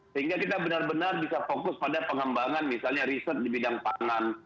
sehingga kita benar benar bisa fokus pada pengembangan misalnya riset di bidang pangan